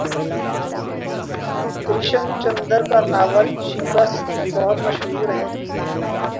کرشن چندر کا ناول شکست بہت مشہور ہے